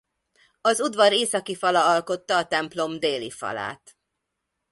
Az udvar északi fala alkotta a templom déli falát.